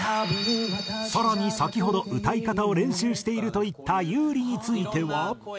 更に先ほど歌い方を練習していると言った優里については。